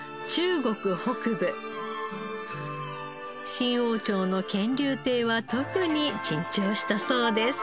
清王朝の乾隆帝は特に珍重したそうです。